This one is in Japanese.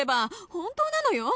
本当なのよ